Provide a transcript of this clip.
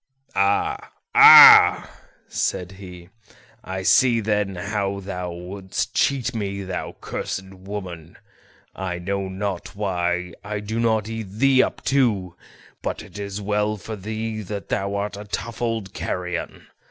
"Ah, ah!" said he; "I see then how thou wouldst cheat me, thou cursed woman; I know not why I do not eat thee up too, but it is well for thee that thou art a tough old carrion.